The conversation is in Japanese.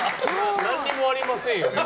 何もありませんよね。